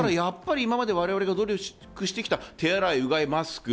だから我々が努力してきた、手洗い、うがい、マスク。